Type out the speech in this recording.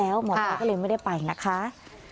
หมอปลาก็เลยไม่ได้ไปนะคะ